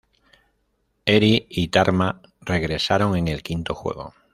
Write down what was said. Eri y Tarma regresaron en el quinto juego.